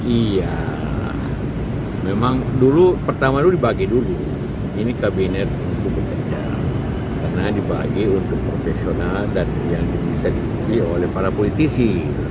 iya memang dulu pertama dulu dibagi dulu ini kabinet untuk bekerja karena dibagi untuk profesional dan yang bisa diisi oleh para politisi